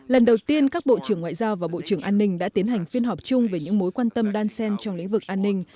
lần đầu tiên các bộ trưởng ngoại giao và bộ trưởng an ninh đã tiến hành phiên họp chung về những mối quan tâm đan sen trong lĩnh vực an ninh